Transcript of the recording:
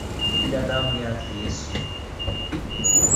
Ila damu yake Yesu